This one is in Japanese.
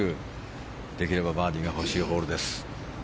できればバーディーが欲しいホールです。